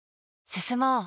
進もう。